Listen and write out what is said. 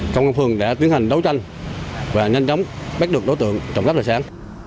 công an phường đã tiến hành đấu tranh và nhanh chóng bắt được đối tượng trộm cắp tài sản